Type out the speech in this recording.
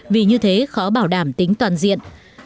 vì như thế khó bảo đảm tính toàn diện